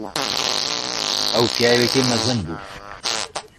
ئەو پیاوێکی مەزن بوو.